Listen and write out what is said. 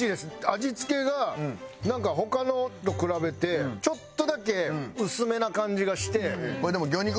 味付けが他のと比べてちょっとだけ薄めな感じがして。